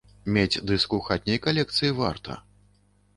Мець дыск у хатняй калекцыі варта.